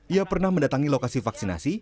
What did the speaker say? ia pernah mendatangi lokasi vaksinasi